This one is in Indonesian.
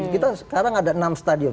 kita sekarang ada enam stadion